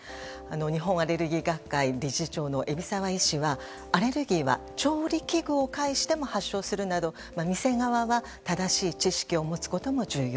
日本アレルギー学会理事長の海老澤医師はアレルギーは調理器具を介しても発症するなど、店側は正しい知識を持つことも重要。